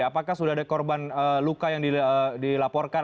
apakah sudah ada korban luka yang dilaporkan